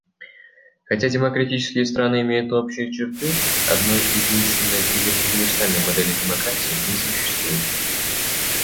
Хотя демократические страны имеют общие черты, одной единственной или универсальной модели демократии не существует.